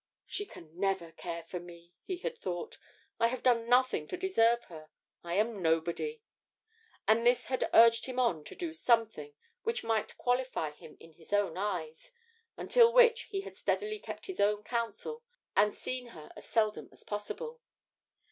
'She can never care for me,' he had thought; 'I have done nothing to deserve her I am nobody,' and this had urged him on to do something which might qualify him in his own eyes, until which he had steadily kept his own counsel and seen her as seldom as possible.